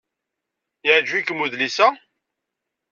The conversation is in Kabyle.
Yeɛjeb-ikem udlis-a?